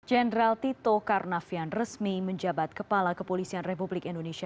jenderal tito karnavian resmi menjabat kepala kepolisian republik indonesia